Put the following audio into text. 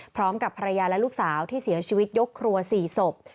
พร้อมกับภรรยาและลูกสาวที่เสียชีวิตยกครัว๔ศพ